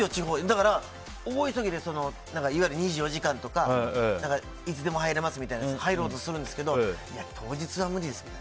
だから、大急ぎでいわゆる２４時間とかいつでも入れますみたいなのに入ろうとするんですけど当日は無理ですって。